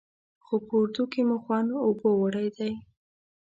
خو په اردو کې مو خوند اوبو وړی دی.